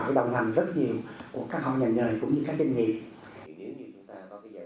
và đồng hành rất nhiều của các họ nhà nơi cũng như các doanh nghiệp